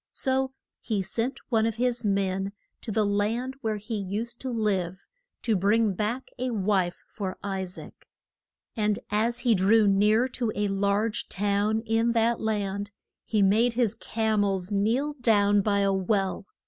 So he sent one of his men to the land where he used to live to bring back a wife for I saac. And as he drew near to a large town in that land he made his cam els kneel down by a well.